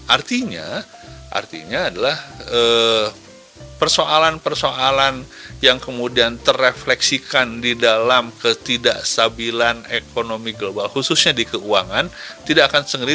artinya adalah persoalan persoalan yang kemudian terefleksikan di dalam ketidakstabilan ekonomi global khususnya di keuangan tidak akan segeri dua ribu dua puluh tiga